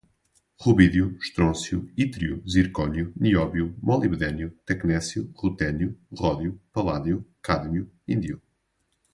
rubídio, estrôncio, ítrio, zircônio, nióbio, molibdênio, tecnécio, rutênio, ródio, paládio, cádmio, índio